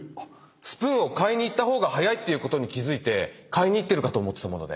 スプーンを買いに行った方が早いっていうことに気付いて買いに行ってるかと思ってたので。